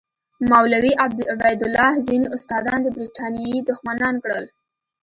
مولوي عبیدالله ځینې استادان د برټانیې دښمنان کړل.